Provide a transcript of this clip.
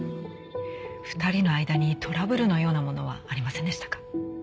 ２人の間にトラブルのようなものはありませんでしたか？